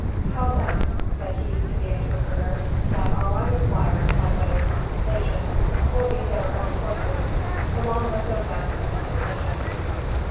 "Tell them," said he to the interpreter, "that all I require, by way of compensation, will be their own horses along with their guns and ammunition."